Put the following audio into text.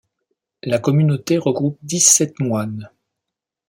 La communauté regroupe dix-sept moines.